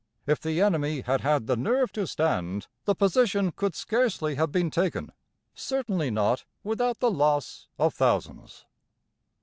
If the enemy had had the nerve to stand, the position could scarcely have been taken; certainly not without the loss of thousands.